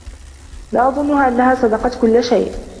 لا أظنّها أنّها صدّقت كلّ شيء.